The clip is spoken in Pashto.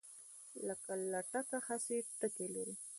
لکه لټکه هسې ټګي لري